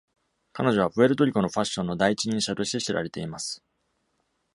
彼女は、「プエルトリコのファッションの第一人者」として知られています。